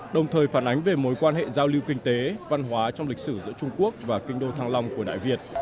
đồng thời phản ánh về mối quan hệ giao lưu kinh tế văn hóa trong lịch sử giữa trung quốc và kinh đô thăng long của đại việt